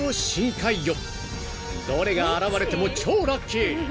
［どれが現れても超ラッキー！］